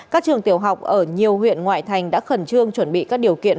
các trường tiểu học ở nhiều huyện ngoại thành đã khẩn trương chuẩn bị các điều kiện